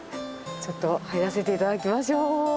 ちょっと入らせていただきましょう。